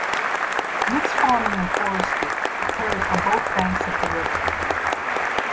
Mixed farming and forestry occurs on both banks of the river.